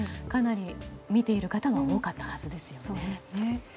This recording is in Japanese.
かなり見ている方も多かったはずですよね。